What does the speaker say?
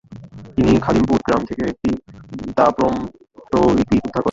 তিনি খালিমপুর গ্রাম থেকে একটি তাম্রপট্টলিপি উদ্ধার করেন।